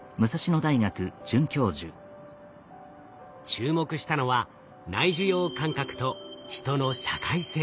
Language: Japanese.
注目したのは内受容感覚と人の社会性。